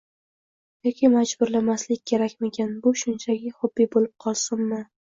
Yoki majburlamaslik kerakmikin – bu shunchaki xobbi bo‘lib qolsinmi?